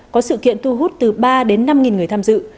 có sự kiện tu hút từ ba đến năm nghìn người tham dự